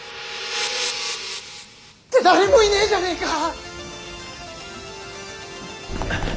って誰もいねえじゃねえか！